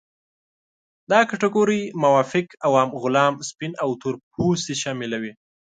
دا کټګورۍ مافوق، عوام، غلام، سپین او تور پوستې شاملوي.